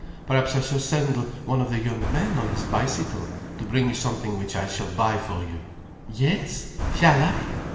Perhaps I shall send one of the young men on his bicycle, to bring you something which I shall buy for you. Yes? Shall I?"